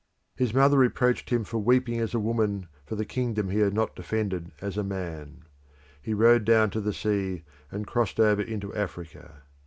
His mother reproached him for weeping as a woman for the kingdom he had not defended as a man. He rode down to the sea and crossed over into Africa.